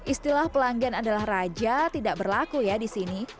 istilah pelanggan adalah raja tidak berlaku ya di sini